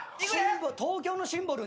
東京のシンボル